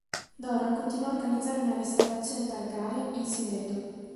Doran continuò a organizzare una restaurazione Targaryen in segreto.